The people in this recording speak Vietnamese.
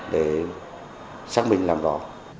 để xác minh làm rõ